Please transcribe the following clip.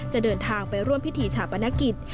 จะเดินทางไปร่วมพิธีชาปนกิจ